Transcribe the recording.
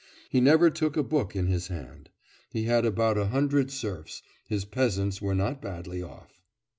He never took a book in his hand. He had about a hundred serfs; his peasants were not badly off.